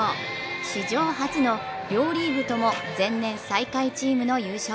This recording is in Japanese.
史上初の両リーグとも前年最下位チームの優勝。